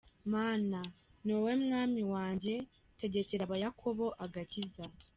Mana, ni wowe Mwami wanjye, Tegekera Abayakobo agakiza.